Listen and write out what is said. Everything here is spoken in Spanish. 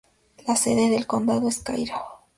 La sede del condado es Cairo.